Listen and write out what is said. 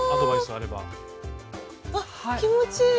あっ気持ちいい！